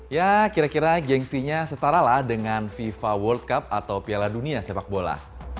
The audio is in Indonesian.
ya kira kira gengsinya setaralah dengan fifa world cup atau piala dunia sepak bola